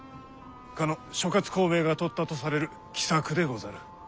かの諸孔明がとったとされる奇策でござる。